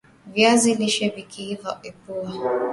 viazi lishe Vikiiva ipua